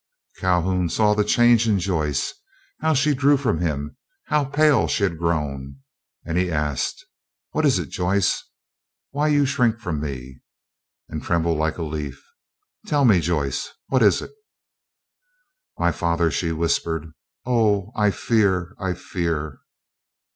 Calhoun saw the change in Joyce, how she drew from him, how pale she had grown, and he asked, "What is it, Joyce? Why, you shrink from me, and tremble like a leaf. Tell me, Joyce, what is it?" "My father!" she whispered, "Oh, I fear—I fear!"